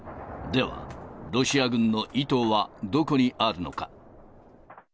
では、ロシア軍の意図はどこにあるのか。